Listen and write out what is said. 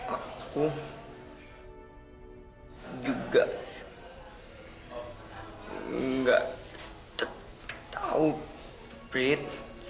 aku juga gak tau prit